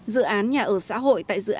dự án nhà ở xã hội tại dự án